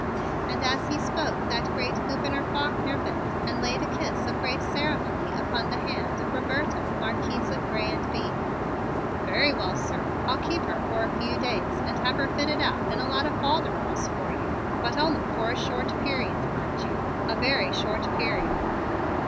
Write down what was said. And as he spoke that great Gouverneur Faulkner bent and laid a kiss of great ceremony upon the hand of Roberta, Marquise of Grez and Bye. "Very well, sir, I'll keep her for a few days and have her fitted out in a lot of folderols for you, but only for a short period, mind you. A very short period!"